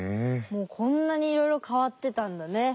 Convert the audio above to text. もうこんなにいろいろ変わってたんだね。